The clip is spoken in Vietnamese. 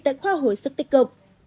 tại khoa hồi sức tích cục